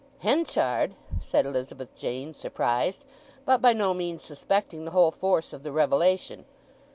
"Henchard!" said Elizabeth Jane, surprised, but by no means suspecting the whole force of the revelation.